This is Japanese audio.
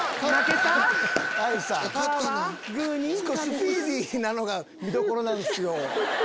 スピーディーなのが見どころなんですよ。